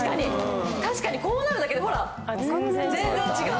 確かにこうなるだけでほら全然違う。